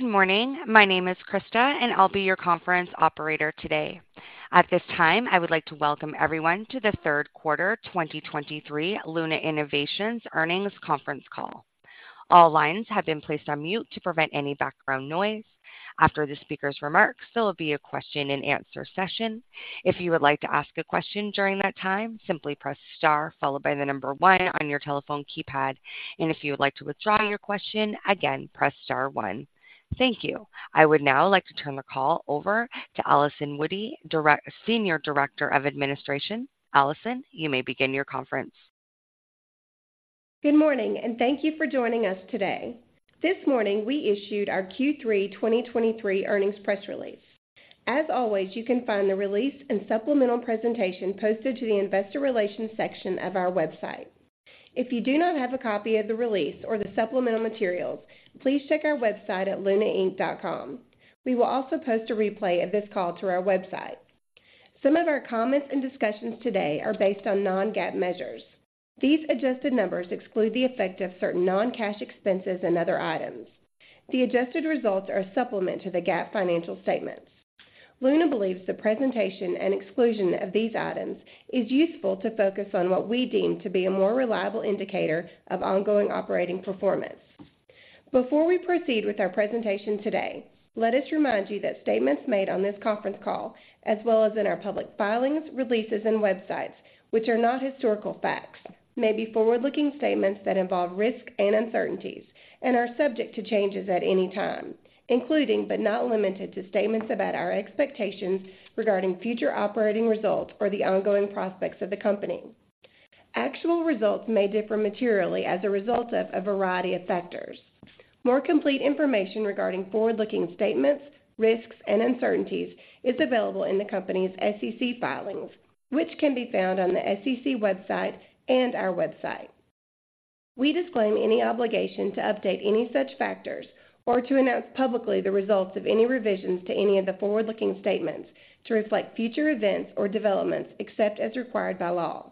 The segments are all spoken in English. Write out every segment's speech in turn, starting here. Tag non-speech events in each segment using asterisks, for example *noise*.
Good morning. My name is Krista, and I'll be your conference operator today. At this time, I would like to welcome everyone to the Third Quarter 2023 Luna Innovations Earnings Conference Call. All lines have been placed on mute to prevent any background noise. After the speaker's remarks, there will be a question-and-answer session. If you would like to ask a question during that time, simply press star, followed by the number one on your telephone keypad. If you would like to withdraw your question again, press star one. Thank you. I would now like to turn the call over to Allison Woody, Senior Director of Administration. Allison, you may begin your conference. Good morning, and thank you for joining us today. This morning, we issued our Q3 2023 earnings press release. As always, you can find the release and supplemental presentation posted to the investor relations section of our website. If you do not have a copy of the release or the supplemental materials, please check our website at lunainc.com. We will also post a replay of this call to our website. Some of our comments and discussions today are based on non-GAAP measures. These adjusted numbers exclude the effect of certain non-cash expenses and other items. The adjusted results are a supplement to the GAAP financial statements. Luna believes the presentation and exclusion of these items is useful to focus on what we deem to be a more reliable indicator of ongoing operating performance. Before we proceed with our presentation today, let us remind you that statements made on this conference call, as well as in our public filings, releases, and websites, which are not historical facts, may be forward-looking statements that involve risks and uncertainties and are subject to changes at any time, including but not limited to, statements about our expectations regarding future operating results or the ongoing prospects of the company. Actual results may differ materially as a result of a variety of factors. More complete information regarding forward-looking statements, risks, and uncertainties is available in the company's SEC filings, which can be found on the SEC website and our website. We disclaim any obligation to update any such factors or to announce publicly the results of any revisions to any of the forward-looking statements to reflect future events or developments, except as required by law.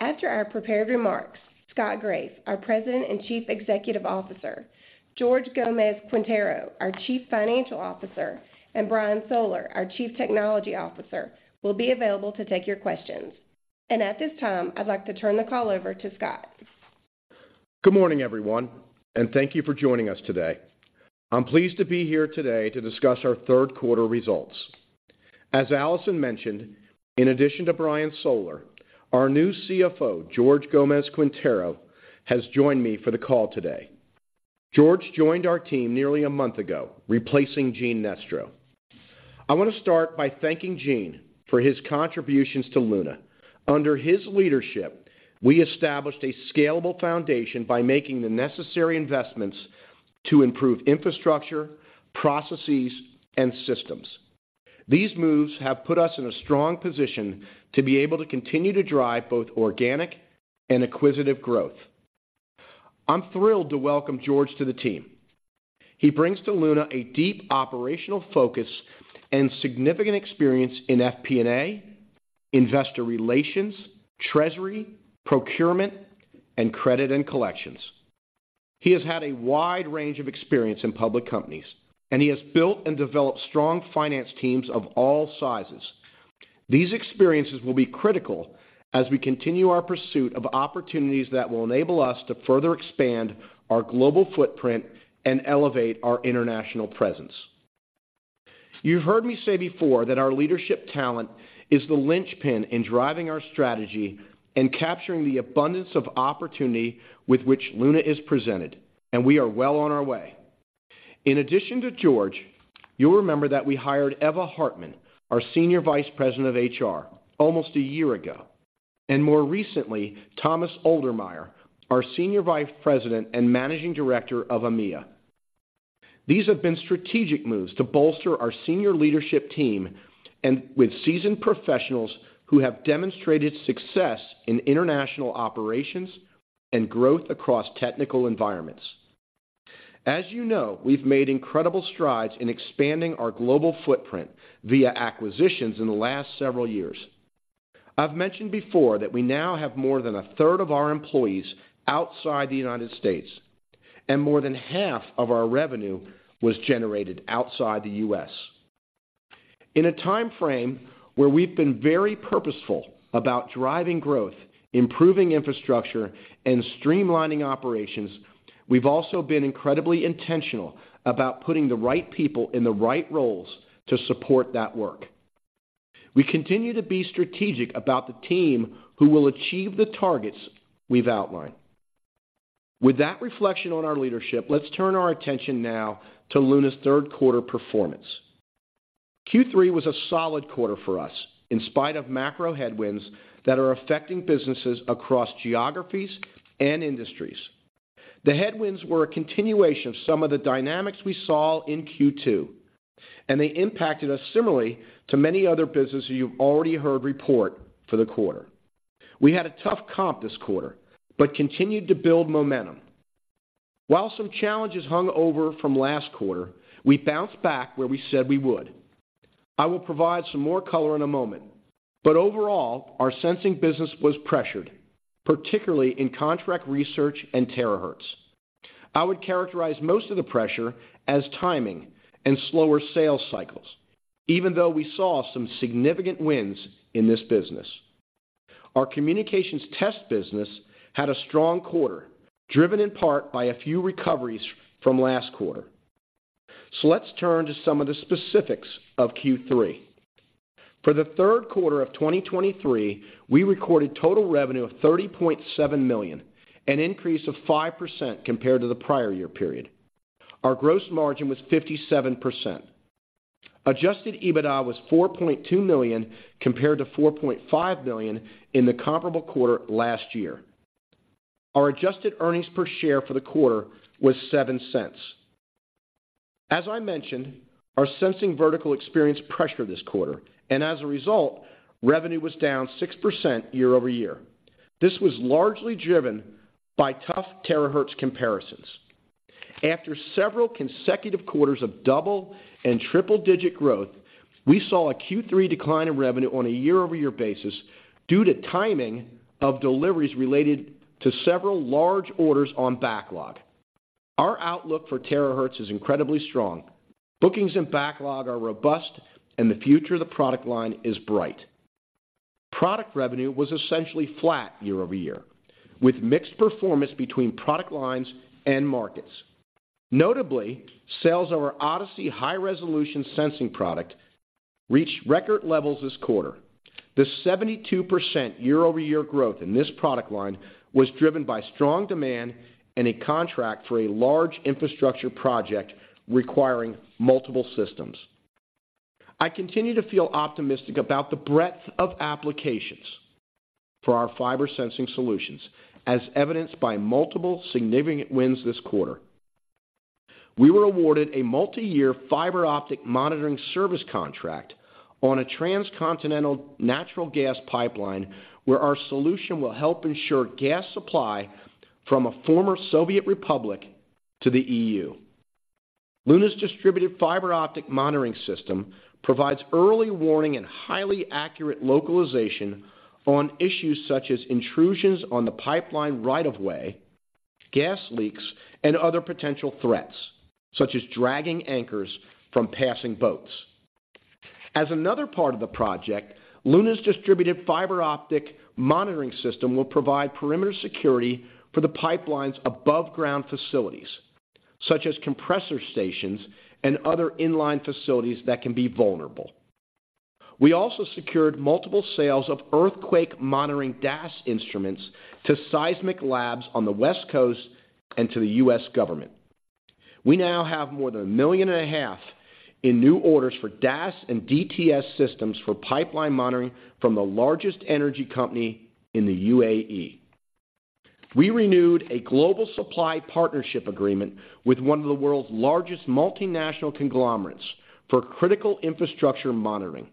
After our prepared remarks, Scott Graeff, our President and Chief Executive Officer, George Gomez-Quintero, our Chief Financial Officer, and Brian Soller, our Chief Technology Officer, will be available to take your questions. At this time, I'd like to turn the call over to Scott. Good morning, everyone, and thank you for joining us today. I'm pleased to be here today to discuss our third quarter results. As Allison mentioned, in addition to Brian Soller, our new CFO, George Gomez-Quintero, has joined me for the call today. George joined our team nearly a month ago, replacing Gene Nestro. I want to start by thanking Gene for his contributions to Luna. Under his leadership, we established a scalable foundation by making the necessary investments to improve infrastructure, processes, and systems. These moves have put us in a strong position to be able to continue to drive both organic and acquisitive growth. I'm thrilled to welcome George to the team. He brings to Luna a deep operational focus and significant experience in FP&A, investor relations, treasury, procurement, and credit and collections. He has had a wide range of experience in public companies, and he has built and developed strong finance teams of all sizes. These experiences will be critical as we continue our pursuit of opportunities that will enable us to further expand our global footprint and elevate our international presence. You've heard me say before that our leadership talent is the linchpin in driving our strategy and capturing the abundance of opportunity with which Luna is presented, and we are well on our way. In addition to George, you'll remember that we hired Eva Hartmann, our Senior Vice President of HR, almost a year ago, and more recently, Thomas Oldemeyer, our Senior Vice President and Managing Director of EMEA. These have been strategic moves to bolster our senior leadership team and with seasoned professionals who have demonstrated success in international operations and growth across technical environments. As you know, we've made incredible strides in expanding our global footprint via acquisitions in the last several years. I've mentioned before that we now have more than a third of our employees outside the United States, and more than half of our revenue was generated outside the U.S. In a timeframe where we've been very purposeful about driving growth, improving infrastructure, and streamlining operations, we've also been incredibly intentional about putting the right people in the right roles to support that work. We continue to be strategic about the team who will achieve the targets we've outlined. With that reflection on our leadership, let's turn our attention now to Luna's third quarter performance. Q3 was a solid quarter for us, in spite of macro headwinds that are affecting businesses across geographies and industries. The headwinds were a continuation of some of the dynamics we saw in Q2, and they impacted us similarly to many other businesses you've already heard report for the quarter. We had a tough comp this quarter but continued to build momentum. While some challenges hung over from last quarter, we bounced back where we said we would. I will provide some more color in a moment. But overall, our sensing business was pressured, particularly in contract research and Terahertz. I would characterize most of the pressure as timing and slower sales cycles, even though we saw some significant wins in this business. Our communications test business had a strong quarter, driven in part by a few recoveries from last quarter. So let's turn to some of the specifics of Q3. For the third quarter of 2023, we recorded total revenue of $30.7 million, an increase of 5% compared to the prior year period. Our gross margin was 57%. Adjusted EBITDA was $4.2 million, compared to $4.5 million in the comparable quarter last year. Our adjusted earnings per share for the quarter was $0.07. As I mentioned, our sensing vertical experienced pressure this quarter, and as a result, revenue was down 6% year-over-year. This was largely driven by tough Terahertz comparisons. After several consecutive quarters of double and triple-digit growth, we saw a Q3 decline in revenue on a year-over-year basis due to timing of deliveries related to several large orders on backlog. Our outlook for Terahertz is incredibly strong. Bookings and backlog are robust, and the future of the product line is bright. Product revenue was essentially flat year-over-year, with mixed performance between product lines and markets. Notably, sales of our Odyssey high-resolution sensing product reached record levels this quarter. The 72% year-over-year growth in this product line was driven by strong demand and a contract for a large infrastructure project requiring multiple systems. I continue to feel optimistic about the breadth of applications for our fiber sensing solutions, as evidenced by multiple significant wins this quarter. We were awarded a multi-year fiber optic monitoring service contract on a transcontinental natural gas pipeline, where our solution will help ensure gas supply from a former Soviet republic to the EU. Luna's distributed fiber optic monitoring system provides early warning and highly accurate localization on issues such as intrusions on the pipeline right of way, gas leaks, and other potential threats, such as dragging anchors from passing boats. As another part of the project, Luna's distributed fiber optic monitoring system will provide perimeter security for the pipeline's above-ground facilities, such as compressor stations and other in-line facilities that can be vulnerable. We also secured multiple sales of earthquake monitoring DAS instruments to seismic labs on the West Coast and to the U.S. government. We now have more than $1.5 million in new orders for DAS and DTS systems for pipeline monitoring from the largest energy company in the UAE. We renewed a global supply partnership agreement with one of the world's largest multinational conglomerates for critical infrastructure monitoring.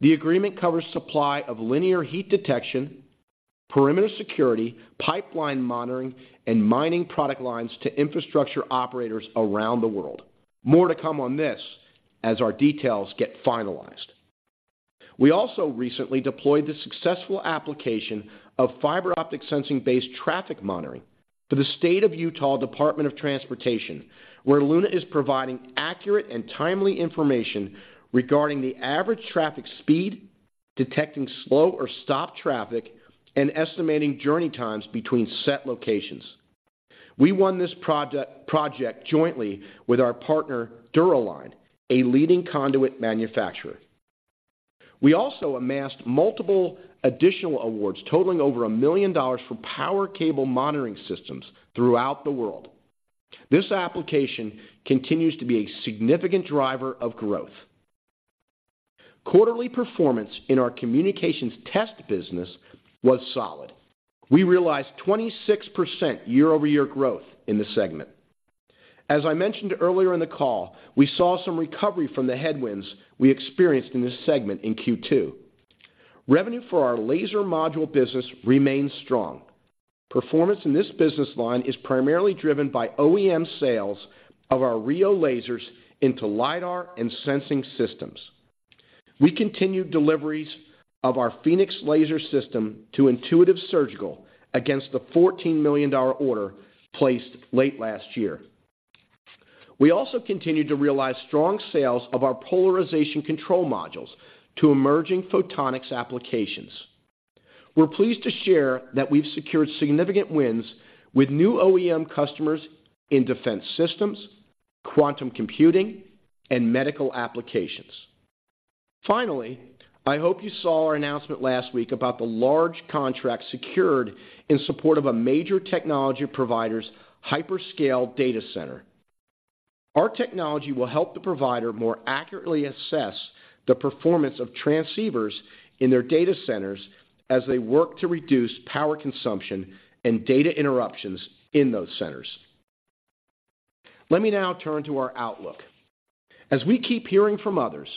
The agreement covers supply of linear heat detection, perimeter security, pipeline monitoring, and mining product lines to infrastructure operators around the world. More to come on this as our details get finalized. We also recently deployed the successful application of fiber optic sensing-based traffic monitoring to the State of Utah Department of Transportation, where Luna is providing accurate and timely information regarding the average traffic speed, detecting slow or stopped traffic, and estimating journey times between set locations. We won this project jointly with our partner, Dura-Line, a leading conduit manufacturer. We also amassed multiple additional awards, totaling over $1 million for power cable monitoring systems throughout the world. This application continues to be a significant driver of growth. Quarterly performance in our communications test business was solid. We realized 26% year-over-year growth in the segment. As I mentioned earlier in the call, we saw some recovery from the headwinds we experienced in this segment in Q2. Revenue for our laser module business remains strong. Performance in this business line is primarily driven by OEM sales of our RIO lasers into Lidar and sensing systems. We continued deliveries of our Phoenix laser system to Intuitive Surgical against the $14 million order placed late last year. We also continued to realize strong sales of our polarization control modules to emerging photonics applications. We're pleased to share that we've secured significant wins with new OEM customers in defense systems, quantum computing, and medical applications. Finally, I hope you saw our announcement last week about the large contract secured in support of a major technology provider's hyperscale data center. Our technology will help the provider more accurately assess the performance of transceivers in their data centers as they work to reduce power consumption and data interruptions in those centers. Let me now turn to our outlook. As we keep hearing from others,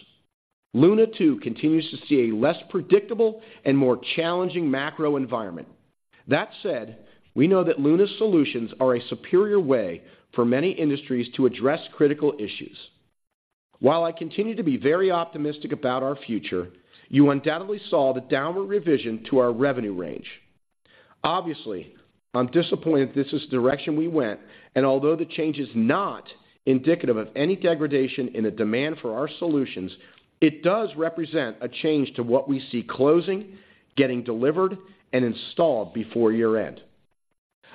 Luna too continues to see a less predictable and more challenging macro environment... That said, we know that Luna's solutions are a superior way for many industries to address critical issues. While I continue to be very optimistic about our future, you undoubtedly saw the downward revision to our revenue range. Obviously, I'm disappointed this is the direction we went, and although the change is not indicative of any degradation in the demand for our solutions, it does represent a change to what we see closing, getting delivered, and installed before year-end.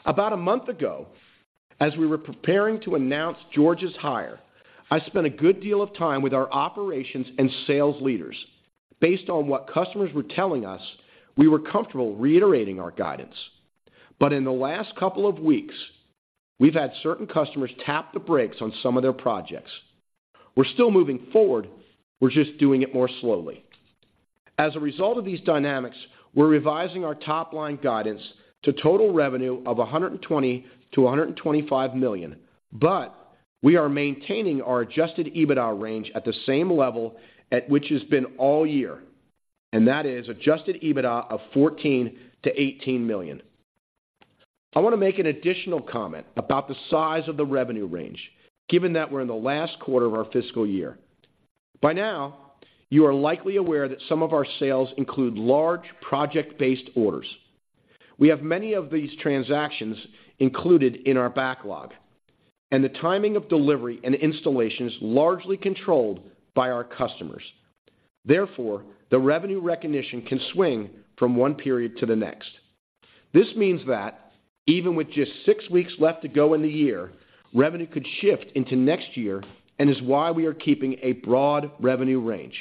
About a month ago, as we were preparing to announce George's hire, I spent a good deal of time with our operations and sales leaders. Based on what customers were telling us, we were comfortable reiterating our guidance. But in the last couple of weeks, we've had certain customers tap the brakes on some of their projects. We're still moving forward, we're just doing it more slowly. As a result of these dynamics, we're revising our top-line guidance to total revenue of $120 million-$125 million, but we are maintaining our adjusted EBITDA range at the same level at which has been all year, and that is adjusted EBITDA of $14 million-$18 million. I wanna make an additional comment about the size of the revenue range, given that we're in the last quarter of our fiscal year. By now, you are likely aware that some of our sales include large project-based orders. We have many of these transactions included in our backlog, and the timing of delivery and installation is largely controlled by our customers. Therefore, the revenue recognition can swing from one period to the next. This means that even with just six weeks left to go in the year, revenue could shift into next year and is why we are keeping a broad revenue range.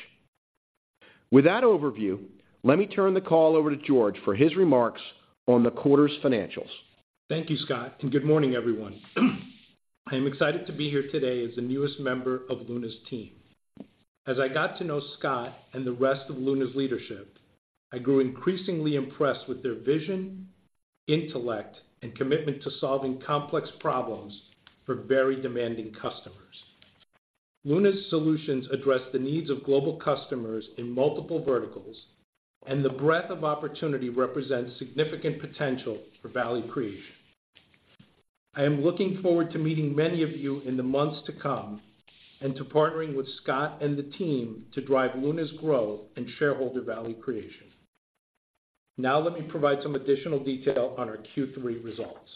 With that overview, let me turn the call over to George for his remarks on the quarter's financials. Thank you, Scott, and good morning, everyone. I am excited to be here today as the newest member of Luna's team. As I got to know Scott and the rest of Luna's leadership, I grew increasingly impressed with their vision, intellect, and commitment to solving complex problems for very demanding customers. Luna's solutions address the needs of global customers in multiple verticals, and the breadth of opportunity represents significant potential for value creation. I am looking forward to meeting many of you in the months to come, and to partnering with Scott and the team to drive Luna's growth and shareholder value creation. Now, let me provide some additional detail on our Q3 results.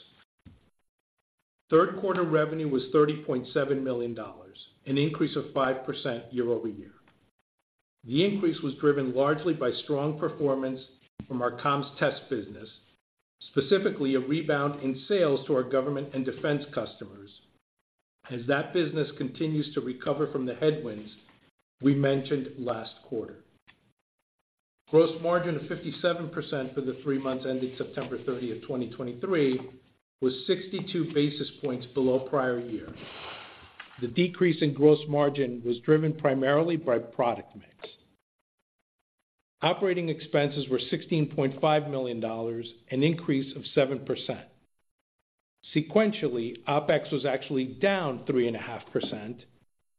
Third quarter revenue was $30.7 million, an increase of 5% year-over-year. The increase was driven largely by strong performance from our comms test business, specifically a rebound in sales to our government and defense customers, as that business continues to recover from the headwinds we mentioned last quarter. Gross margin of 57% for the three months ended 09/30/2023, was 62 basis points below prior year. The decrease in gross margin was driven primarily by product mix. Operating expenses were $16.5 million, an increase of 7%. Sequentially, OpEx was actually down 3.5%,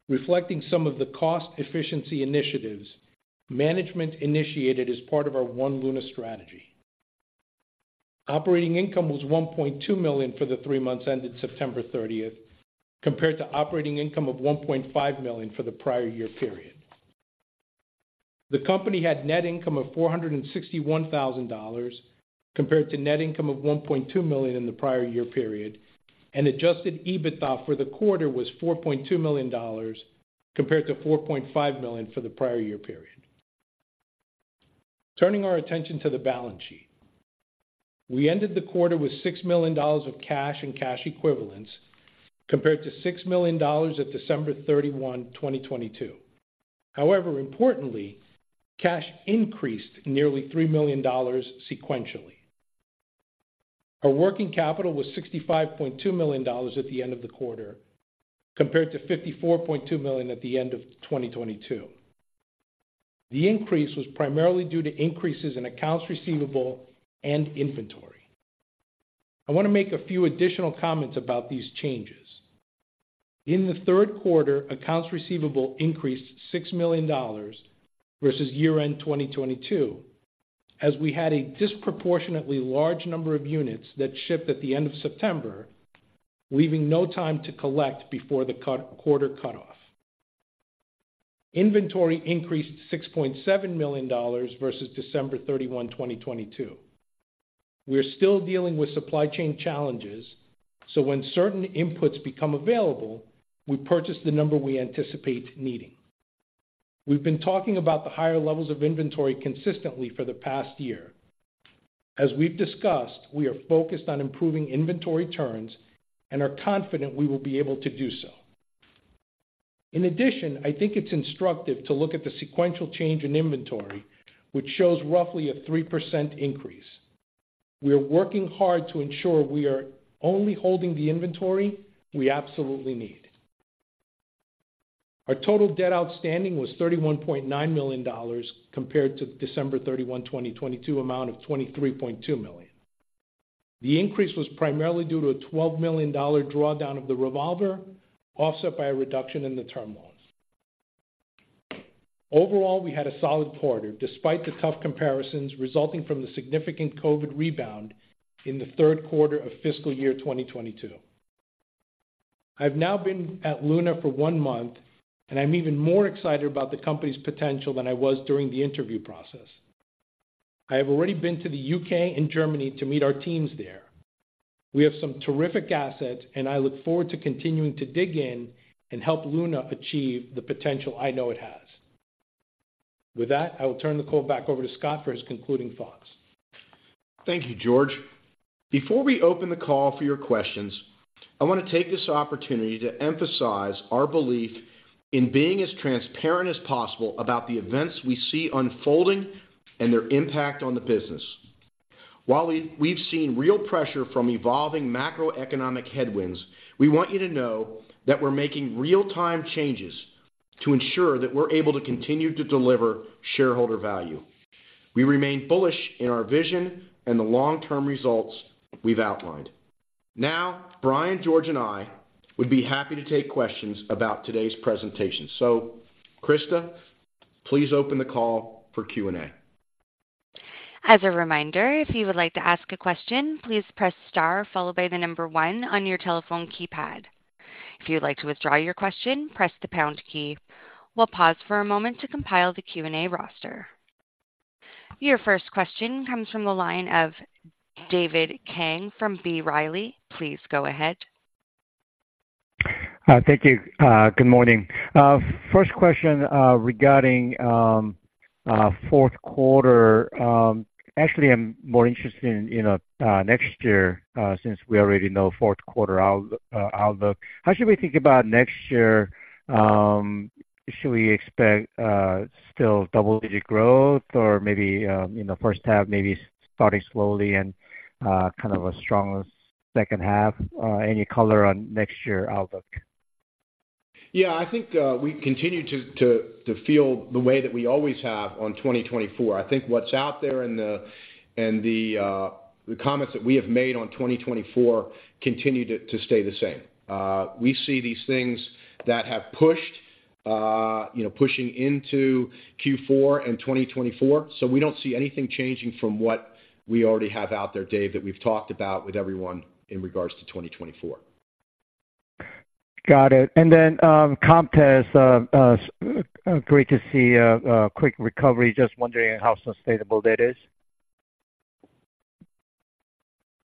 reflecting some of the cost efficiency initiatives management initiated as part of our One Luna strategy. Operating income was $1.2 million for the three months ended 09/30/2023, compared to operating income of $1.5 million for the prior year period. The company had net income of $461,000, compared to net income of $1.2 million in the prior year period, and adjusted EBITDA for the quarter was $4.2 million, compared to $4.5 million for the prior year period. Turning our attention to the balance sheet. We ended the quarter with $6 million of cash and cash equivalents, compared to $6 million at December 31, 2022. However, importantly, cash increased nearly $3 million sequentially. Our working capital was $65.2 million at the end of the quarter, compared to $54.2 million at the end of 2022. The increase was primarily due to increases in accounts receivable and inventory. I wanna make a few additional comments about these changes. In the third quarter, accounts receivable increased $6 million versus year-end 2022, as we had a disproportionately large number of units that shipped at the end of September, leaving no time to collect before the quarter cutoff. Inventory increased $6.7 million versus 12/31/2022. We are still dealing with supply chain challenges, so when certain inputs become available, we purchase the number we anticipate needing. We've been talking about the higher levels of inventory consistently for the past year. As we've discussed, we are focused on improving inventory turns and are confident we will be able to do so. In addition, I think it's instructive to look at the sequential change in inventory, which shows roughly a 3% increase. We are working hard to ensure we are only holding the inventory we absolutely need. Our total debt outstanding was $31.9 million, compared to 12/31/2022, amount of $23.2 million. The increase was primarily due to a $12 million drawdown of the revolver, offset by a reduction in the term loans. Overall, we had a solid quarter, despite the tough comparisons resulting from the significant COVID rebound in the third quarter of fiscal year 2022. I've now been at Luna for one month, and I'm even more excited about the company's potential than I was during the interview process. I have already been to the U.K. and Germany to meet our teams there. We have some terrific assets, and I look forward to continuing to dig in and help Luna achieve the potential I know it has. With that, I will turn the call back over to Scott for his concluding thoughts. Thank you, George. Before we open the call for your questions, I want to take this opportunity to emphasize our belief in being as transparent as possible about the events we see unfolding and their impact on the business. While we've seen real pressure from evolving macroeconomic headwinds, we want you to know that we're making real-time changes to ensure that we're able to continue to deliver shareholder value. We remain bullish in our vision and the long-term results we've outlined. Now, Brian, George, and I would be happy to take questions about today's presentation. So, Krista, please open the call for Q&A. As a reminder, if you would like to ask a question, please press star followed by the number 1 on your telephone keypad. If you'd like to withdraw your question, press the pound key. We'll pause for a moment to compile the Q&A roster. Your first question comes from the line of David Kang from B. Riley. Please go ahead. Thank you. Good morning. First question, regarding fourth quarter. Actually, I'm more interested in, you know, next year, since we already know fourth quarter outlook. How should we think about next year? Should we expect still double-digit growth or maybe, you know, first half, maybe starting slowly and kind of a strong second half? Any color on next year outlook? Yeah, I think we continue to feel the way that we always have on 2024. I think what's out there and the comments that we have made on 2024 continue to stay the same. We see these things that have pushed, you know, pushing into Q4 and 2024, so we don't see anything changing from what we already have out there, Dave, that we've talked about with everyone in regards to 2024. Got it. And then, comms test, great to see a quick recovery. Just wondering how sustainable that is.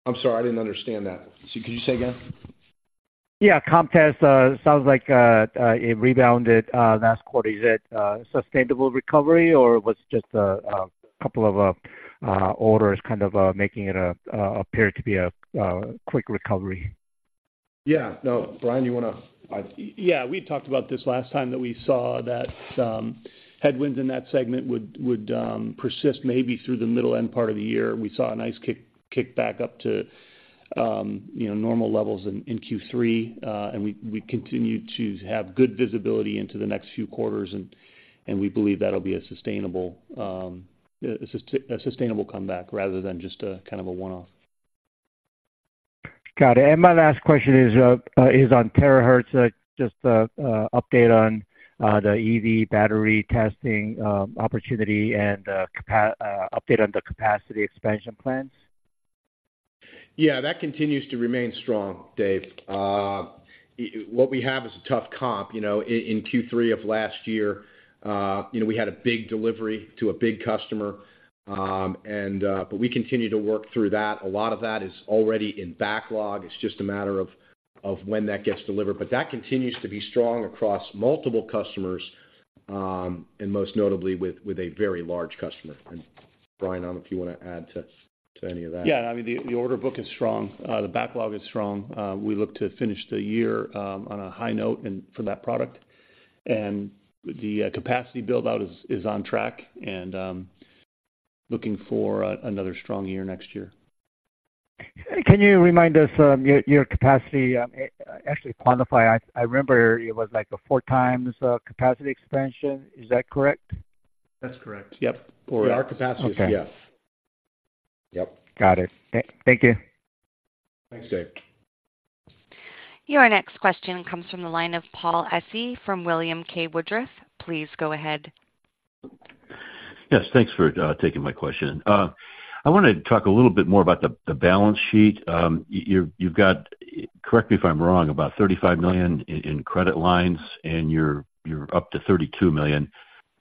I'm sorry, I didn't understand that. So could you say again? Yeah, comms test sounds like it rebounded last quarter. Is it a sustainable recovery, or was it just a couple of orders kind of making it appear to be a quick recovery? Yeah. No, Brian, you wanna...? Yeah. We talked about this last time, that we saw headwinds in that segment would persist maybe through the middle end part of the year. We saw a nice kick back up to, you know, normal levels in Q3. And we continue to have good visibility into the next few quarters, and we believe that'll be a sustainable comeback rather than just a kind of a one-off. Got it. And my last question is on Terahertz. Just an update on the EV battery testing opportunity and update on the capacity expansion plans. Yeah, that continues to remain strong, Dave. What we have is a tough comp. You know, in Q3 of last year, you know, we had a big delivery to a big customer. And but we continue to work through that. A lot of that is already in backlog. It's just a matter of when that gets delivered. But that continues to be strong across multiple customers, and most notably, with a very large customer. And Brian, I don't know if you want to add to any of that. Yeah. I mean, the order book is strong. The backlog is strong. We look to finish the year on a high note and for that product. And the capacity build-out is on track and looking for another strong year next year. Can you remind us, your capacity, actually quantify? I remember it was like a 4 times capacity expansion. Is that correct? That's correct. Yep. For our capacity, *crosstalk* Got it. Thank you. Your next question comes from the line of Paul Essi from William K. Woodruff. Please go ahead. Yes, thanks for taking my question. I wanted to talk a little bit more about the balance sheet. You've got, correct me if I'm wrong, about $35 million in credit lines, and you're up to $32 million.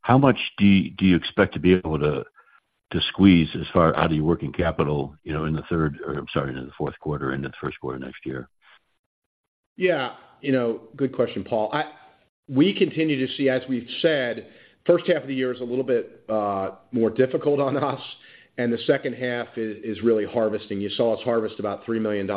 How much do you expect to be able to squeeze as far out of your working capital, you know, in the third, or I'm sorry, in the fourth quarter, into the first quarter next year? Yeah. You know, good question, Paul. I-- We continue to see, as we've said, first half of the year is a little bit more difficult on us, and the second half is really harvesting. You saw us harvest about $3 million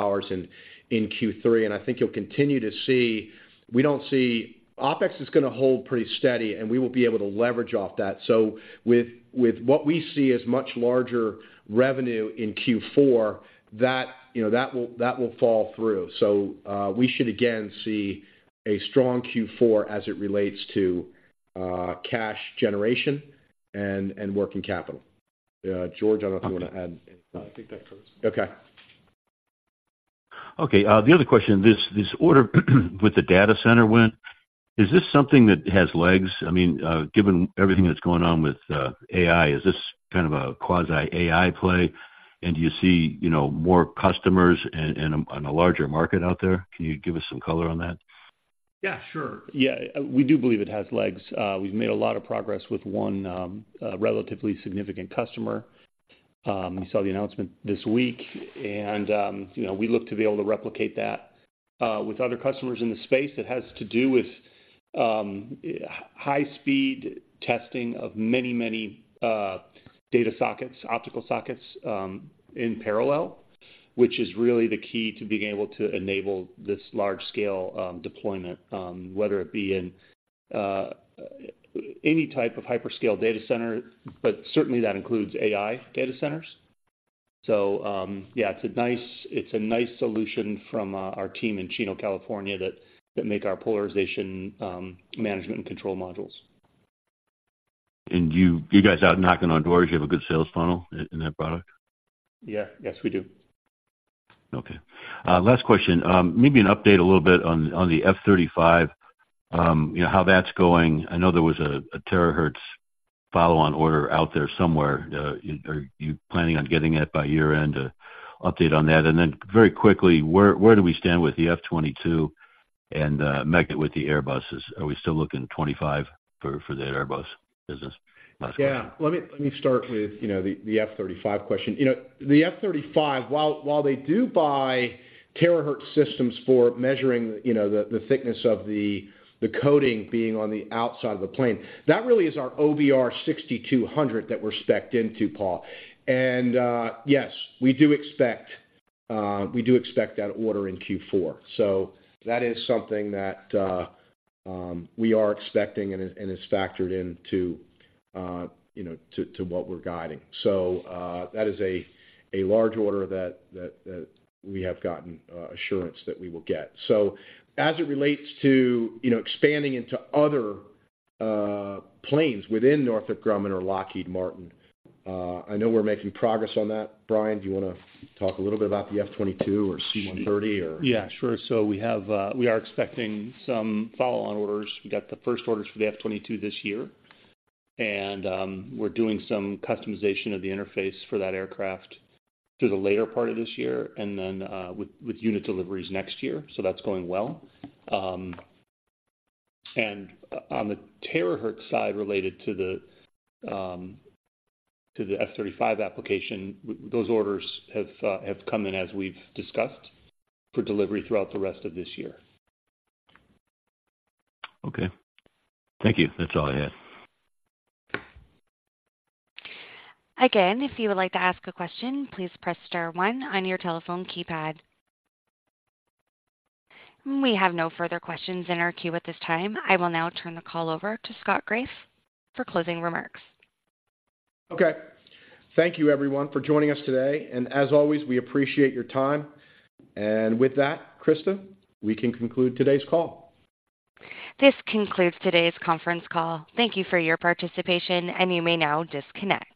in Q3, and I think you'll continue to see... We don't see-- OpEx is gonna hold pretty steady, and we will be able to leverage off that. So with what we see as much larger revenue in Q4, that, you know, that will fall through. So we should again see a strong Q4 as it relates to cash generation and working capital. Uh, George, I don't know if you want to add anything. I think that covers it. Okay. Okay, the other question, this, this order with the data center win, is this something that has legs? I mean, given everything that's going on with AI, is this kind of a quasi-AI play? And do you see, you know, more customers and, and, and a larger market out there? Can you give us some color on that? Yeah, sure. Yeah, we do believe it has legs. We've made a lot of progress with one relatively significant customer. You saw the announcement this week, and you know, we look to be able to replicate that with other customers in the space. It has to do with high speed testing of many, many data sockets, optical sockets in parallel, which is really the key to being able to enable this large scale deployment whether it be in any type of hyperscale data center, but certainly that includes AI data centers. So, yeah, it's a nice, it's a nice solution from our team in Chino, California, that, that make our polarization management and control modules. You, you guys out knocking on doors, you have a good sales funnel in that product? Yeah. Yes, we do. Okay. Last question. Maybe an update a little bit on the F-35, you know, how that's going. I know there was a Terahertz follow-on order out there somewhere. Are you planning on getting it by year-end? Update on that. And then very quickly, where do we stand with the F-22 and magnet with the Airbuses? Are we still looking 25 for the Airbus business? Last question. Yeah. Let me, let me start with, you know, the, the F-35 question. You know, the F-35, while, while they do buy Terahertz systems for measuring, you know, the, the thickness of the, the coating being on the outside of the plane, that really is our OBR 6200 that we're spec'd into, Paul. And, yes, we do expect, we do expect that order in Q4. So that is something that, we are expecting and is, and is factored into, you know, to, to what we're guiding. So, that is a, a large order that, that, that we have gotten, assurance that we will get. So as it relates to, you know, expanding into other, planes within Northrop Grumman or Lockheed Martin, I know we're making progress on that. Brian, do you wanna talk a little bit about the F-22 or C-130 or? Yeah, sure. So we have, we are expecting some follow-on orders. We got the first orders for the F-22 this year, and, we're doing some customization of the interface for that aircraft through the later part of this year and then, with unit deliveries next year. So that's going well. And on the Terahertz side, related to the F-35 application, those orders have come in as we've discussed, for delivery throughout the rest of this year. Okay. Thank you. That's all I had. Again, if you would like to ask a question, please press star one on your telephone keypad. We have no further questions in our queue at this time. I will now turn the call over to Scott Graeff for closing remarks. Okay. Thank you, everyone, for joining us today, and as always, we appreciate your time. With that, Krista, we can conclude today's call. This concludes today's conference call. Thank you for your participation, and you may now disconnect.